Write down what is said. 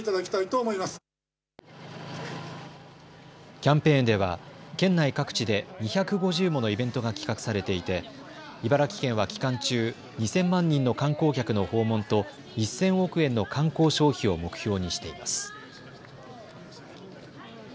キャンペーンでは県内各地で２５０ものイベントが企画されていて茨城県は期間中、２０００万人の観光客の訪問と１０００億円の観光消費を目標にしています。